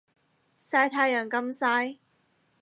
曬太陽咁曬